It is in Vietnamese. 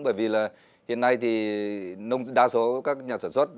bởi vì là hiện nay thì đa số các nhà sản xuất